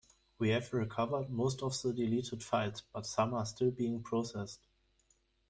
We have recovered most of the deleted files, but some are still being processed.